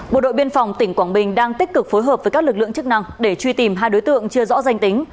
bộ đội biên phòng tỉnh quảng bình đang tích cực phối hợp với các lực lượng chức năng để truy tìm hai đối tượng chưa rõ danh tính